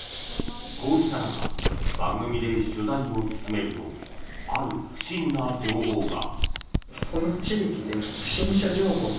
こうした中番組で取材を進めるとある不審な情報が。